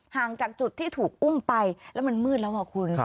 ห่างจากจุดที่ถูกอุ้มไปแล้วมันมืดแล้วอ่ะคุณ